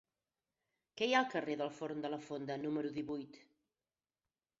Què hi ha al carrer del Forn de la Fonda número divuit?